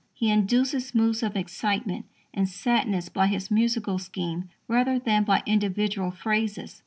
He induces moods of excitement and sadness by his musical scheme rather than by individual phrases.